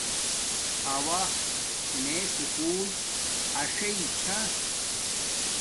آوہ میے سکُول اݽݵ چھا